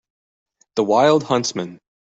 The wild huntsman.